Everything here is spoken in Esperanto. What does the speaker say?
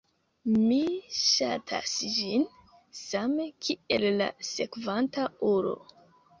Mi sxatas ĝin, same kiel la sekvanta ulo